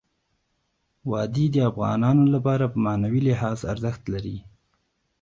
وادي د افغانانو لپاره په معنوي لحاظ ارزښت لري.